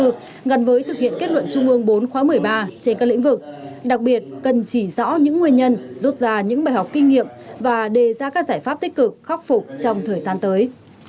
bộ chính trị đã giao cho bộ chính trị đồng bộ thực hiện kết luận trung ương bốn khóa một mươi ba trên các lĩnh vực đặc biệt cần chỉ rõ những nguyên nhân rút ra những bài học kinh nghiệm và đề ra các giải pháp tích cực khóc phục trong thời gian tới